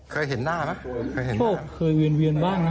เคยเห็นหน้าไหมเคยเห็นหน้าเคยเวียนมาบ้างนะ